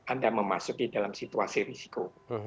anda memasuki dalam situasi risiko